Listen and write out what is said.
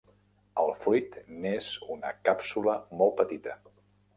El fruit n'és una càpsula molt petita.